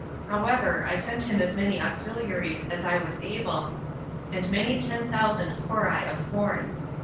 However, I sent him as many auxiliaries as I was able, and many ten thousand [cori] of corn.